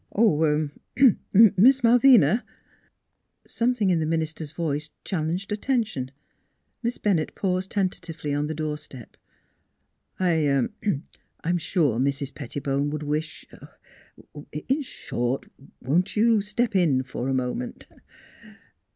"Oh er Miss Malvina!" Something in the minister's voice challenged at tention. Miss Bennett paused tentatively on the doorstep. " I er I'm sure Mrs. Pettibone would wish in short, won't you step in for a moment?